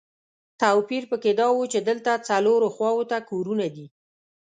توپیر په کې دا و چې دلته څلورو خواوو ته کورونه دي.